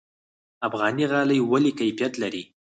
افغاني غالۍ ولې کیفیت لري؟